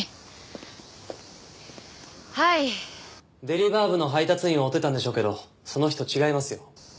デリバー部の配達員を追ってたんでしょうけどその人違いますよ。